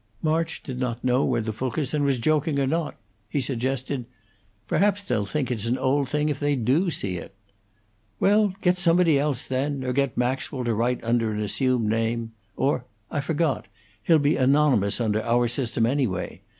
March did not know whether Fulkerson was joking or not. He suggested, "Perhaps they'll think it's an old thing if they do see it." "Well, get somebody else, then; or else get Maxwell to write under an assumed name. Or I forgot! He'll be anonymous under our system, anyway.